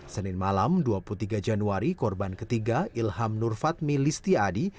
senin malam dua puluh tiga januari korban ketiga ilham nurfatmi listiadi